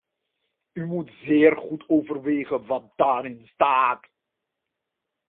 U moet zeer goed overwegen wat daarin staat.